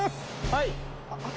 はい。